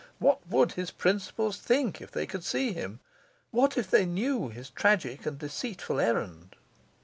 What would his principals think, if they could see him? What if they knew his tragic and deceitful errand?